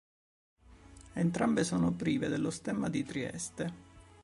Entrambe sono prive dello stemma di Trieste.